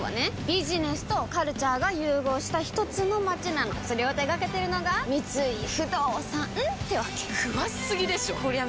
ビジネスとカルチャーが融合したひとつの街なのそれを手掛けてるのが三井不動産ってわけ詳しすぎでしょこりゃ